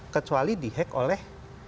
kecuali di hack oleh